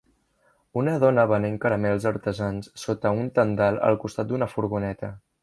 Una dona venent caramels artesans sota un tendal al costat d'una furgoneta.